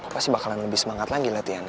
pasti bakalan lebih semangat lagi latihannya